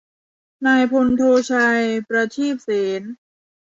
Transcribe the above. นายพันโท ไชย ประทีบเสน